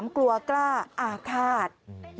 กลัวกล้าอาฆาต